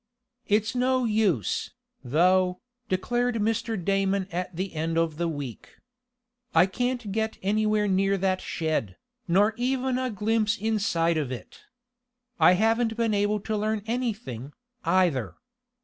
"It's no use, though," declared Mr. Damon at the end of the week. "I can't get anywhere near that shed, nor even get a glimpse inside of it. I haven't been able to learn anything, either.